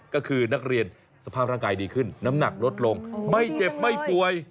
ก็คือนักเรียนสภาพร่างกายดีขึ้นน้ำหนักลดลงไม่เจ็บไม่ป่วย